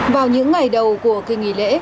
vào những ngày đầu của kỳ nghỉ lễ